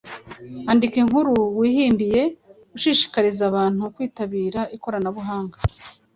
Andika inkuru wihimbiye ushishikariza abantu kwitabira ikoranabuhanga